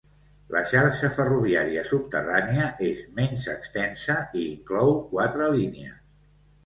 La xarxa ferroviària subterrània és menys extensa i inclou quatre línies.